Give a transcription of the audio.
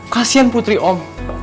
kasian putri om